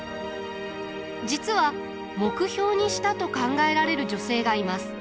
実は目標にしたと考えられる女性がいます。